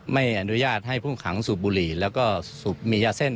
ไม่อนุญาตให้ผู้ขังสูบบุหรี่แล้วก็มียาเส้น